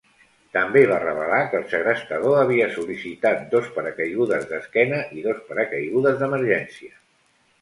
També va revelar que el segrestador havia sol·licitat dos paracaigudes d'esquena i dos paracaigudes d'emergència.